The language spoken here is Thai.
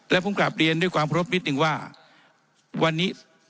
และผมกลับเรียนด้วยความเคารพนิดนึงว่าวันนี้